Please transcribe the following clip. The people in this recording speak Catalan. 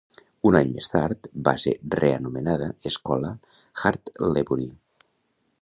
Un any més tard, va ser reanomenada "Escola Hartlebury".